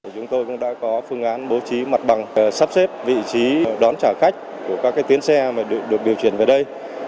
chúng tôi cũng đã có phương án bố trí mặt bằng sắp xếp vị trí đón trả khách của các tuyến xe được điều chuyển về đây